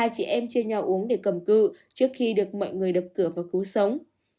hai chị em chia nhau uống để cầm cư trước khi được mọi người đập cửa và cứu sống